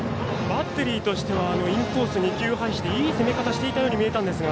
バッテリーとしてはインコース２球を配していい攻め方をしていたように見えたんですが。